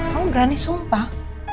kamu berani sumpah